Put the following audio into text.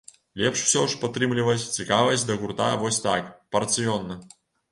Лепш усё ж падтрымліваць цікавасць да гурта вось так, парцыённа.